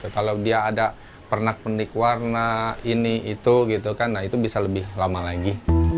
kalau dia ada pernak pernik warna ini itu gitu kan nah itu bisa lebih lama lagi